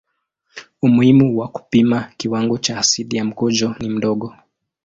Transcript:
Umuhimu wa kupima kiwango cha asidi ya mkojo ni mdogo.